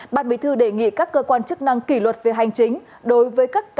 ban bí thư đề nghị các cơ quan chức năng kỷ luật về hành chính đối với các